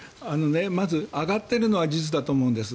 まず、上がっているのは事実だと思うんです。